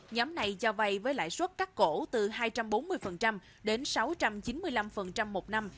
nhóm này cho vay với lãi suất cắt cổ từ hai trăm bốn mươi đến sáu trăm chín mươi năm một năm